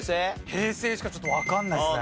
平成しかちょっとわかんないすね。